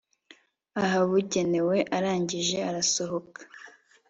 ahabugenewe arangije arasohoka